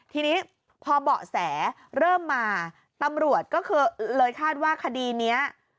ทีนี้พอเบาะแสเริ่มมาตำรวจก็คือเลยคาดว่าคดีนี้